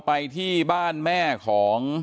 ไปที่บ้านแม่ของ